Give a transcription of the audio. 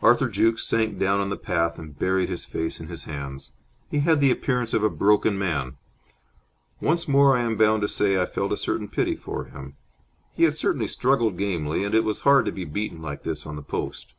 Arthur Jukes sank down on the path and buried his face in his hands. He had the appearance of a broken man. Once more, I am bound to say, I felt a certain pity for him. He had certainly struggled gamely, and it was hard to be beaten like this on the post.